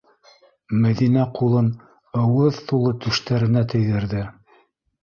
Мәҙинә ҡулын ыуыҙ тулы түштәренә тейҙерҙе.